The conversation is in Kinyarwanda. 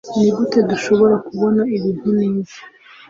Nigute dushobora kubona ibintu neza